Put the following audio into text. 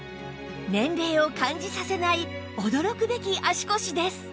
年齢を感じさせない驚くべき足腰です